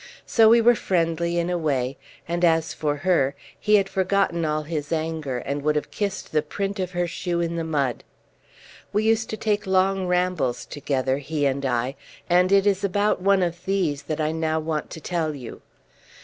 So we were friendly, in a way; and as for her, he had forgotten all his anger, and would have kissed the print of her shoe in the mud. We used to take long rambles together, he and I; and it is about one of these that I now want to tell you.